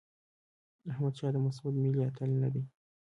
احمد شاه مسعود ملي اتل نه دی.